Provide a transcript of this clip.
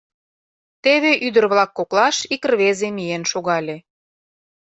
Теве ӱдыр-влак коклаш ик рвезе миен шогале.